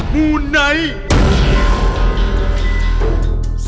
มูไนท์